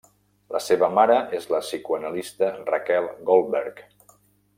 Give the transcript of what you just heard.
La seva mare és la psicoanalista Raquel Goldberg.